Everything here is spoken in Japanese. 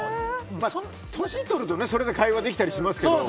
年を取るとそれで会話できたりしますけど。